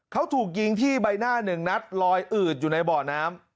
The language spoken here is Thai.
เขาถูกยิงที่ใบหน้าหนึ่งนัดลอยอืดอยู่ในบ่อน้ำ